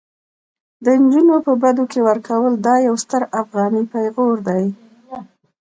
د انجونو په بدو کي ورکول دا يو ستر افغاني پيغور دي